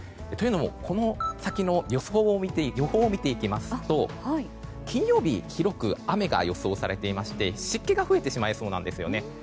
というのもこの先の予報を見ていきますと金曜日、広く雨が予想されていて湿気が増えてしまいそうなんですね。